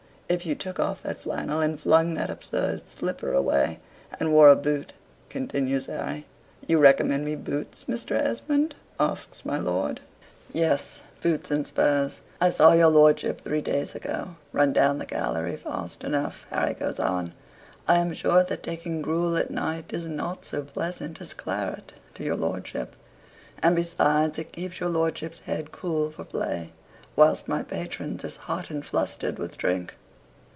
"If you took off that flannel, and flung that absurd slipper away, and wore a boot," continues Harry. "You recommend me boots, Mr. Esmond?" asks my lord. "Yes, boots and spurs. I saw your lordship three days ago run down the gallery fast enough," Harry goes on. "I am sure that taking gruel at night is not so pleasant as claret to your lordship; and besides it keeps your lordship's head cool for play, whilst my patron's is hot and flustered with drink."